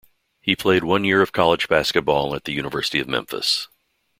He played one year of college basketball at the University of Memphis.